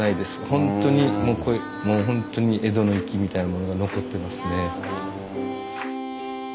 本当にもう本当に江戸の粋みたいなものが残ってますね。